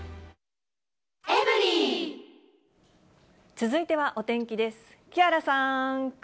続いてはお天気です。